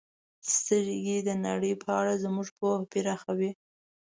• سترګې د نړۍ په اړه زموږ پوهه پراخوي.